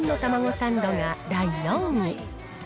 サンドが第４位。